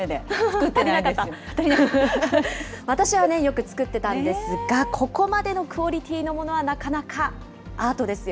私はね、よく作ってたんですが、ここまでのクオリティのものはなかなかアートですよ。